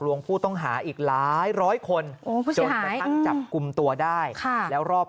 วงผู้ต้องหาอีกหลายร้อยคนจนกระทั่งจับกลุ่มตัวได้แล้วรอบ